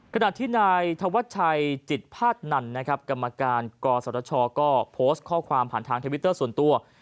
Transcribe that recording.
ขณะที่นายธวัชชัยจิตภาษนันนะครับกรรมการกศชก็โพสต์ข้อความผ่านทางทวิตเตอร์ส่วนตัว